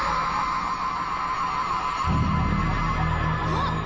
あっ！